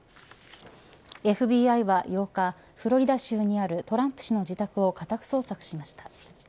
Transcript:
ＦＢＩは８日、フロリダ州にあるトランプ氏の自宅を家宅捜索しました。